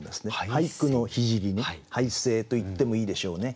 俳句の聖ね俳聖といってもいいでしょうね。